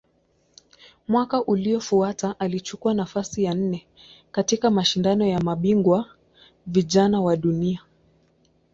Mwaka uliofuata alichukua nafasi ya nne katika Mashindano ya Mabingwa Vijana wa Dunia.